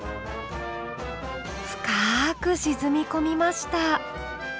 深く沈み込みました。